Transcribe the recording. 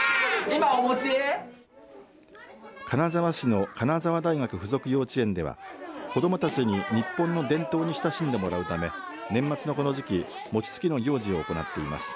金沢市の金沢大学附属幼稚園では子どもたちに日本の伝統に親しんでもらうため年末のこの時期餅つきの行事を行っています。